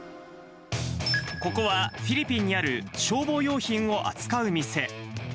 ここはフィリピンにある消防用品を扱う店。